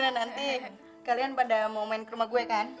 nanti kalian pada mau main ke rumah gue kan